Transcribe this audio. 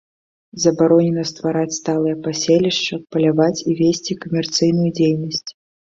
Забаронена ствараць сталыя паселішчы, паляваць і весці камерцыйную дзейнасць.